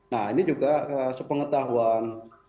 nah ini juga sepengetahuan